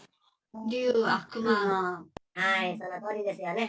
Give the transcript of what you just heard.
はい、そのとおりですよね。